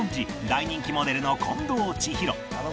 大人気モデルの近藤千尋